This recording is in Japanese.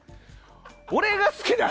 俺が好きな